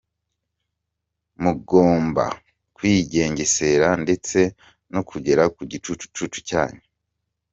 Mugomba kwigengesera ndetse no kugera ku gicucucucu cyanyu”.